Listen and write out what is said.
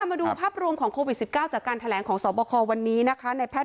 มาดูภาพรวมของโควิด๑๙จากการแถลงของสบควันนี้นะคะในแพทย